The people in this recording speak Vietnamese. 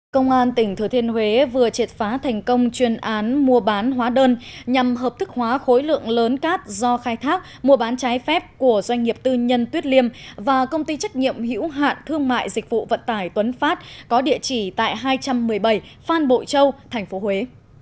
công an tỉnh thừa thiên huế vừa triệt phá thành công chuyên án mua bán hóa đơn nhằm hợp thức hóa khối lượng lớn cát do khai thác mua bán trái phép của doanh nghiệp tư nhân tuyết liêm và công ty trách nhiệm hữu hạn thương mại dịch vụ vận tải tuấn phát có địa chỉ tại hai trăm một mươi bảy phan bội châu tp huế